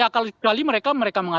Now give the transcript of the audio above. ya kecuali mereka mengatakan